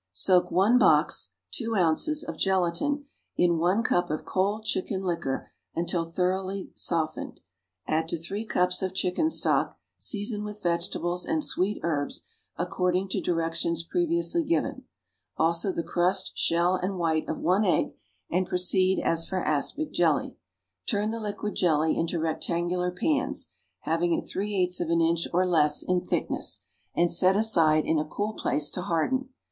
= Soak one box (two ounces) of gelatine in one cup of cold chicken liquor until thoroughly softened. Add to three cups of chicken stock, seasoned with vegetables and sweet herbs according to directions previously given, also the crushed shell and white of one egg, and proceed as for aspic jelly. Turn the liquid jelly into rectangular pans, having it three eighths of an inch or less in thickness, and set aside in a cool place to harden.